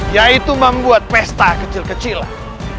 yaitu membuat pesta kecil kecilan